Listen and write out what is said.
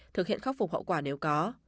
thực hiện khắc phục hậu quả nếu có